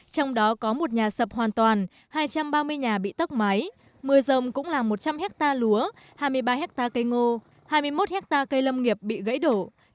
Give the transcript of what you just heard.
trong đó có một nhà sập hoàn toàn hai trăm ba mươi nhà bị tốc mái mưa rông cũng làm một trăm linh hectare lúa hai mươi ba hectare cây ngô hai mươi một hectare cây lâm nghiệp bị gãy đổ